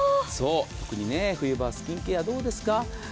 特に冬場はスキンケアどうですか？